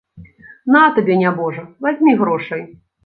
На табе, нябожа, вазьмі грошай.